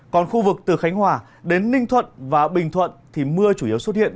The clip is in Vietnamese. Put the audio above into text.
còn khu vực từ khánh hòa đến ninh thuận và bình thuận thì mưa chủ yếu xuất hiện